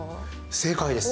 正解です。